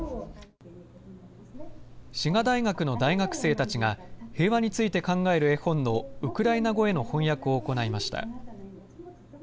滋賀大学の大学生たちが、平和について考える絵本のウクライナ語への翻訳を行いました。